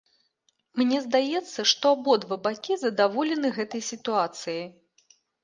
Мне здаецца, што абодва бакі задаволены гэтай сітуацыяй.